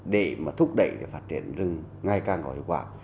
để mà thúc đẩy phát triển rừng ngày càng có hiệu quả